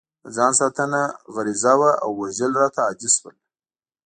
د ځان ساتنه غریزه وه او وژل راته عادي شول